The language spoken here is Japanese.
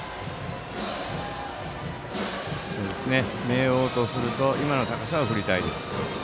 明桜とすると今の高さは振りたいです。